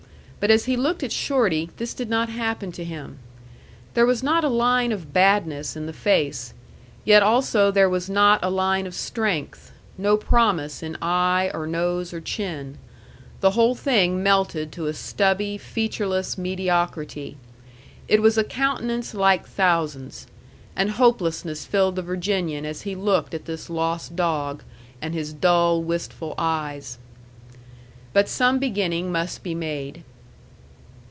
But as he looked at Shorty, this did not happen to him. There was not a line of badness in the face; yet also there was not a line of strength; no promise in eye, or nose, or chin; the whole thing melted to a stubby, featureless mediocrity. It was a countenance like thousands; and hopelessness filled the Virginian as he looked at this lost dog, and his dull, wistful eyes. But some beginning must be made.